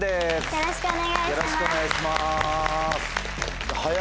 よろしくお願いします。